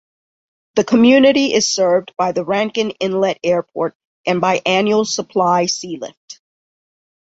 The community is served by the Rankin Inlet Airport, and by annual supply sealift.